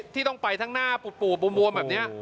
ที่ต้องไปทั้งหน้าปูดบวมแบบนี้